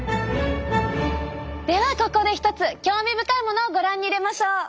ではここでひとつ興味深いものをご覧に入れましょう。